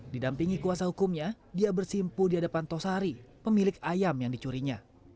didampingi kuasa hukumnya dia bersimpu di hadapan tosari pemilik ayam yang dicurinya